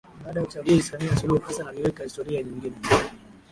Baada ya uchaguzi Samia Suluhu Hassan aliweka historia nyingine